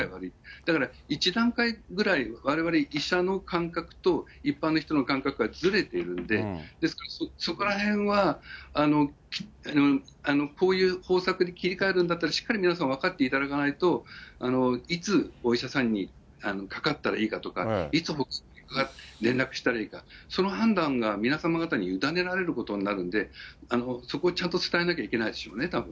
だから、１段階ぐらい、われわれ医者の感覚と一般の人の感覚がずれているので、ですからそこらへんは、こういう方策に切り替えるんだったら、しっかり皆さん分かっていただかないと、いつお医者さんにかかったらいいかとか、いつ保健所に連絡したらいいかとか、その判断が皆様方に委ねられることになるので、そこ、ちゃんと伝えなきゃいけないでしょうね、たぶん。